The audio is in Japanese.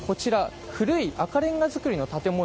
古い赤レンガ造りの建物。